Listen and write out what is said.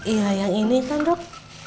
iya yang ini kan dok